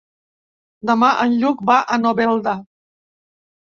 Demà en Lluc va a Novelda.